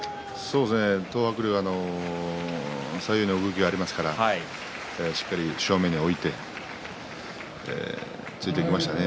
東白龍は左右の動きがありますからしっかり正面に置いて突いていきましたね。